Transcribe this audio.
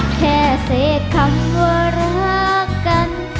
แค่เสียคำว่ารักกัน